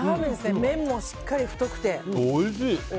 麺もしっかり太くておいしい。